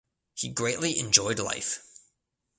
He greatly enjoyed life.